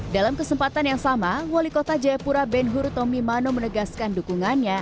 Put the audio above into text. dalam kesempatan yang sama wali kota jayapura ben huru tomi mano menegaskan dukungannya